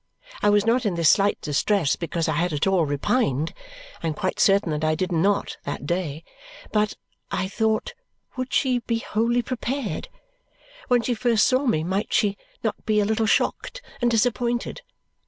I was not in this slight distress because I at all repined I am quite certain I did not, that day but, I thought, would she be wholly prepared? When she first saw me, might she not be a little shocked and disappointed?